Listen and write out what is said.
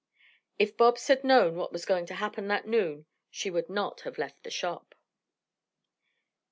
If Bobs had known what was going to happen that noon, she would not have left the shop.